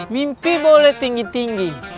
mimpi boleh tinggi tinggi